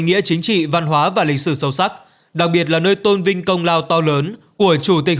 nghĩa chính trị văn hóa và lịch sử sâu sắc đặc biệt là nơi tôn vinh công lao to lớn của chủ tịch